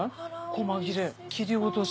小間切れ切り落とし。